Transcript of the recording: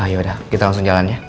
yaudah kita langsung jalannya